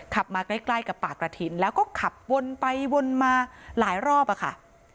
มาใกล้กับปากกระถิ่นแล้วก็ขับวนไปวนมาหลายรอบอะค่ะ